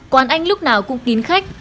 quán anh lúc nào cũng kín khách